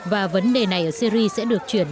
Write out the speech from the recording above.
và vấn đề này ở syria sẽ được chuyển